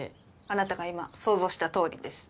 あなたが今想像した通りです。